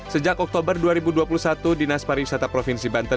sejak oktober dua ribu dua puluh satu dinas pariwisata provinsi banten